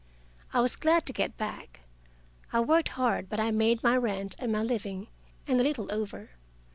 I was glad to get back. I worked hard, but I made my rent and my living, and a little over.